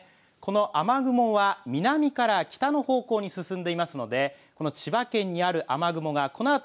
この雨雲は南から北の方向に進んでいますのでこの千葉県にある雨雲がこのあと